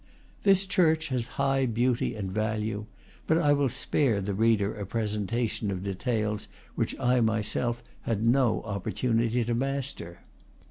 This church has high beauty and value, but I will spare the reader a presentation of details which I my self had no opportunity to master.